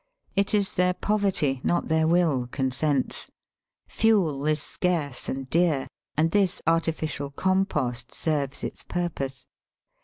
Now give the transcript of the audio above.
It is their poverty, not their will, consents. Fuel is scarce and dear, and thi& artificial compost serves its purpose.